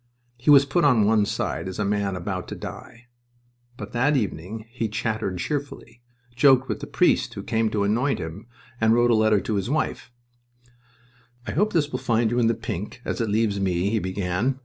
He was put on one side as a man about to die... But that evening he chattered cheerfully, joked with the priest who came to anoint him, and wrote a letter to his wife. "I hope this will find you in the pink, as it leaves me," he began.